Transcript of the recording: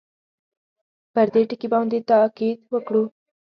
پر دې ټکي باندې تاءکید وکړو.